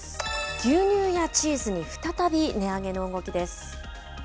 牛乳やチーズに再び値上げの動きです。